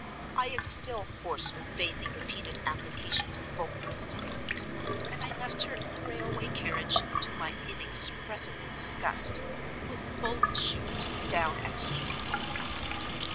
I am still hoarse with vainly repeated applications of vocal stimulant; and I left her in the railway carriage, to my inexpressible disgust, with both shoes down at heel.